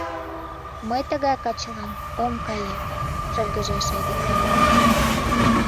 — Мый тыгай качылан ом кае, — шыргыжеш Айвика.